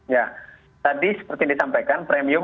ya tadi seperti yang disampaikan premium